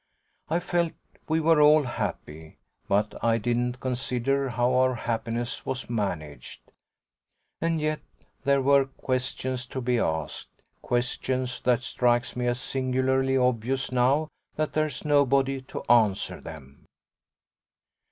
I felt we were all happy, but I didn't consider how our happiness was managed. And yet there were questions to be asked, questions that strike me as singularly obvious now that there's nobody to answer them.